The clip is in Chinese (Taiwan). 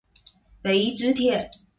北宜直鐵